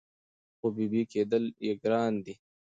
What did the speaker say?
خو بېبي کېدل یې ګران دي